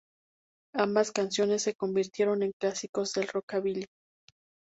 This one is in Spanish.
Ambas canciones se convirtieron en clásicos del rockabilly.